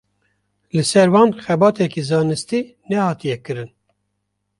Li ser wan xebateke zanistî nehatiye kirin.